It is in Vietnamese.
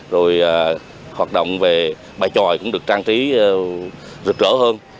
rồi hoạt động về bài tròi cũng được trang trí rực rỡ hơn